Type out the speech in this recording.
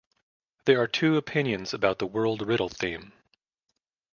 There are two opinions about the World riddle theme.